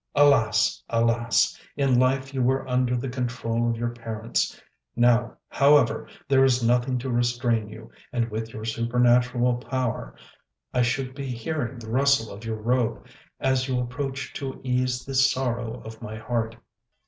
Alas! alas! In life you were under the control of your parents; now, however, there is nothing to restrain you, and with your supernatural power, I should be hearing the rustle of your robe as you approach to ease the sorrow of my heart."